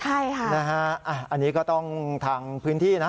อันนี้ก็ต้องทางพื้นที่นะ